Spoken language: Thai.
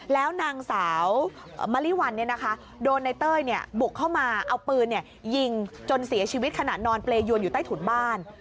แล้วนางสาวมะลิวัลโดนในเต้ยบุกเข้ามาเอาปืนยิงจนเสียชีวิตขณะนอนเปรยวนอยู่ใต้ถุนบ้าน